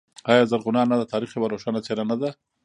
آیا زرغونه انا د تاریخ یوه روښانه څیره نه ده؟